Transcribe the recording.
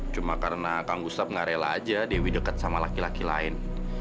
cuma karena kang gustaf gak rela aja dewi deket sama laki laki lain